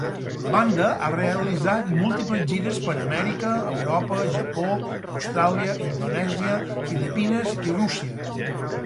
La banda ha realitzat múltiples gires per Amèrica, Europa, Japó, Austràlia, Indonèsia, Filipines, i Rússia.